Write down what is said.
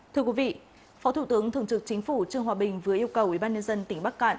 thưa quý vị phó thủ tướng thường trực chính phủ trương hòa bình vừa yêu cầu ubnd tỉnh bắc cạn